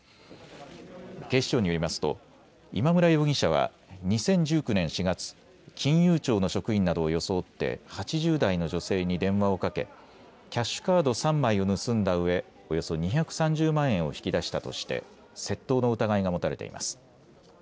警視庁によりますと今村容疑者は２０１９年４月、金融庁の職員などを装って８０代の女性に電話をかけキャッシュカード３枚を盗んだうえ、およそ２３０万円を引き出したとして窃盗の疑いが持たれています。